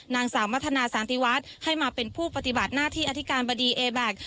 นางสาววัฒนาสานติวัฒน์ให้มาเป็นผู้ปฏิบัติหน้าที่อธิการบดีเอแบ็ค